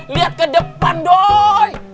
lihat ke depan doi